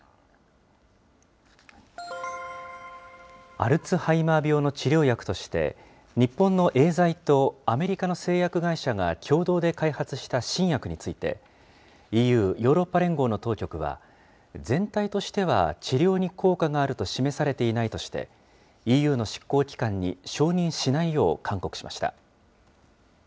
アルツハイマー病の治療薬として、日本のエーザイとアメリカの製薬会社が共同で開発した新薬について、ＥＵ・ヨーロッパ連合の当局は、全体としては治療に効果があると示されていないとして、ＥＵの執行機関に承認しないよう勧告しました。